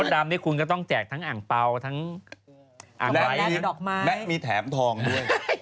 อันดับนี้คุณก็ต้องแจกทั้งอ่างเปล่าทั้งอ่างไว้และมีดอกไม้และมีแถมทองด้วย